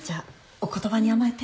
お言葉に甘えて。